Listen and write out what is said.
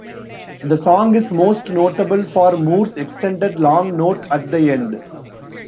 The song is most notable for Moore's extended long note at the end.